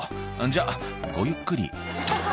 「じゃごゆっくり」